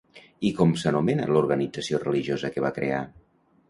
I com s'anomena l'organització religiosa que va crear?